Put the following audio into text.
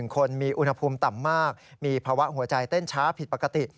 คนมีอุณหภูมิต่ำมากมีภาวะหัวใจเต้นช้าผิดปกติ